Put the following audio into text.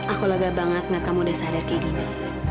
aku lega banget nah kamu udah sadar kayak gini